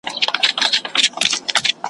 عُمر ټول انتظار وخوړ له ځوانیه تر پیریه `